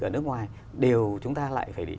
ở nước ngoài đều chúng ta lại phải